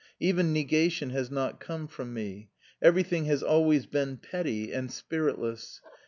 Even negation has not come from me. Everything has always been petty and spiritless.